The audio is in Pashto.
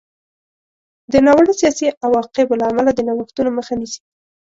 د ناوړه سیاسي عواقبو له امله د نوښتونو مخه نیسي.